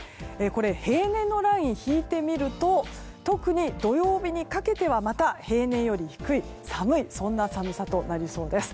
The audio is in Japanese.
平年のラインを引いてみると特に土曜日にかけては平年より低いそんな寒さとなりそうです。